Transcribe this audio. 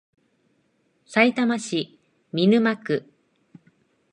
さいたま市見沼区